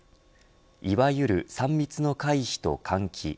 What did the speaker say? いわゆる３密の回避と換気。